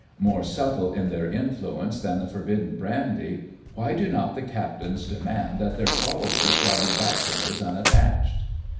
More subtle in their influence than the forbidden brandy, why do not the captains demand that their followers shall be bachelors unattached?